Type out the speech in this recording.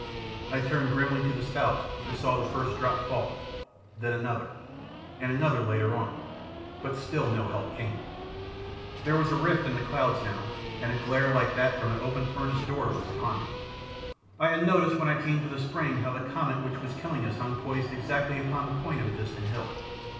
I turned grimly to the spout and saw the first drop fall, then another, and another later on, but still no help came. There was a long rift in the clouds now, and a glare like that from an open furnace door was upon me. I had noticed when I came to the spring how the comet which was killing us hung poised exactly upon the point of a distant hill.